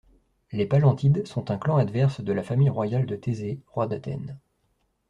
Les Pallantides sont un clan adverse de la famille royale de Thésée, roi d'Athènes.